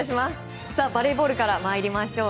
バレーボールから参りましょう。